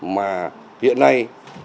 mà hiện nay